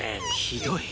ひどい。